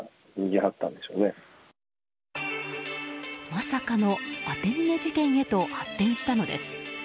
まさかの当て逃げ事件へと発展したのです。